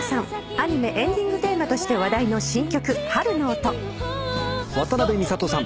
アニメエンディングテーマとして話題の新曲『ハルノオト』渡辺美里さん。